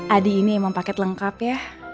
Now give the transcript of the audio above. adi ini emang paket lengkap ya